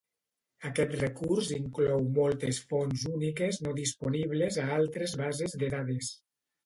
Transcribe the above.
Aquest recurs inclou moltes fonts úniques no disponibles a altres bases de dades.